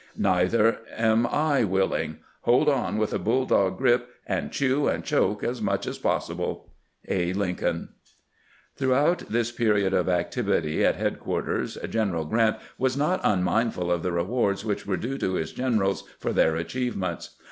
Neither am I willing. Hold on with a bulldog grip, and chew and choke as much as possible. "' A. LiKOOLN.'" 280 CAMPAIGNIKa WITH GKANT Througliout this period of activity at headquarters G eneral Grrant was not anmindful of the rewards which were due to his generals for their achievements.